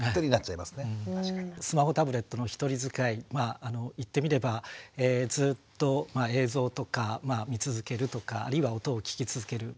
スマホタブレットの一人使い言ってみればずっと映像とか見続けるとかあるいは音を聴き続ける。